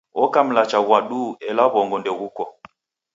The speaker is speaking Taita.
Oka mlacha ghwa duu ela wongo nde ghuko.